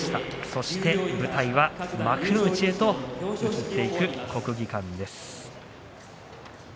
そして舞台は幕内へと移っていく国技館です。